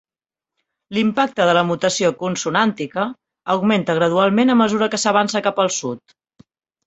L'impacte de la mutació consonàntica, augmenta gradualment a mesura que s'avança cap al sud.